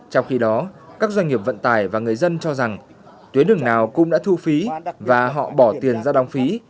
trong khi đó các doanh nghiệp vận tải và người dân cho rằng tuyến đường nào cũng đã thu phí và họ bỏ tiền ra đóng phí